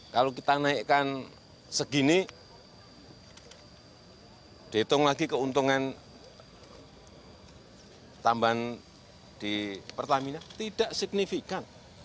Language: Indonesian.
kalau kita naikkan segini dihitung lagi keuntungan tambahan di pertamina tidak signifikan